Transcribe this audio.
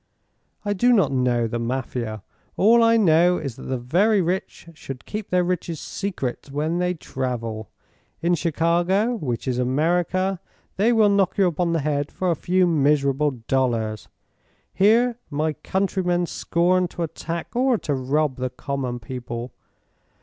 "I do not know the Mafia. All I know is that the very rich should keep their riches secret when they travel. In Chicago, which is America, they will knock you upon the head for a few miserable dollars; here my countrymen scorn to attack or to rob the common people.